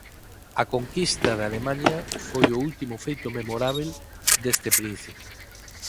A conquista de Alemaña foi o último feito memorábel deste príncipe.